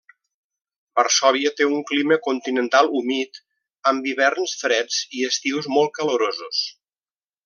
Varsòvia té un clima continental humit, amb hiverns freds i estius molt calorosos.